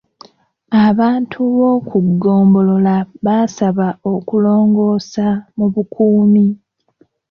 Abantu b'oku ggombolola baasaba okulongoosa mu bukuumi.